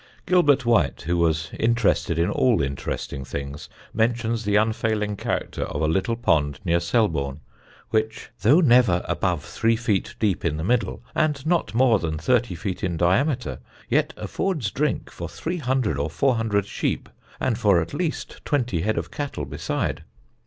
Gilbert White, who was interested in all interesting things, mentions the unfailing character of a little pond near Selborne, which "though never above three feet deep in the middle, and not more than thirty feet in diameter, ... yet affords drink for three hundred or four hundred sheep, and for at least twenty head of cattle beside."